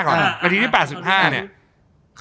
๘๕ก่อนนาทีที่๘๕เนี่ย